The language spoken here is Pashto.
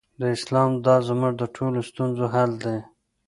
دا اسلام زموږ د ټولو ستونزو حل دی.